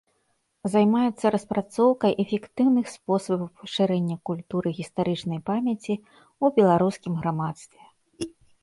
Займаецца распрацоўкай эфектыўных спосабаў пашырэння культуры гістарычнай памяці ў беларускім грамадстве.